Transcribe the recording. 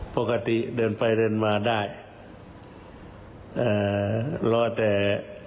ปกติเดินไปเดินมาได้เอ่อรอแต่